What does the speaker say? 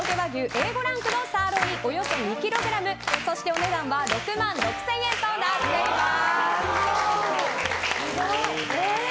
Ａ５ランクのサーロインおよそ２ｋｇお値段は６万６０００円です。